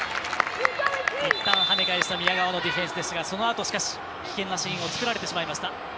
いったん跳ね返した宮川のディフェンスでしたがそのあと、しかし危険なシーンを作られてしまいました。